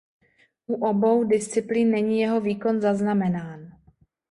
U obou disciplín není jeho výkon zaznamenán.